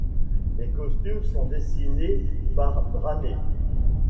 Les costumes sont dessinés par Draner.